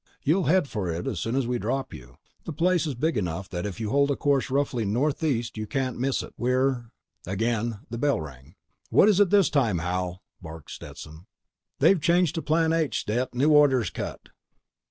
You'll head for it as soon as we drop you. The place is big enough that if you hold a course roughly northeast you can't miss it. We're—" Again the call bell rang. "What is it this time, Hal?" barked Stetson. "They've changed to Plan H, Stet. New orders cut."